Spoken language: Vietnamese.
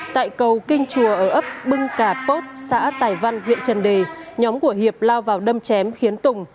tại cầu kinh chùa ở ấp bưng cà pốt xã tài văn huyện trần đề nhóm của hiệp lao vào đâm chém khiến tùng